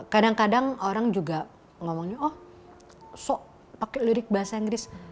kadang kadang orang juga ngomongnya oh sok pakai lirik bahasa inggris